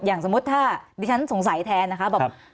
อย่างสมมุติถ้าดิฉันสงสัยแทนนะครับ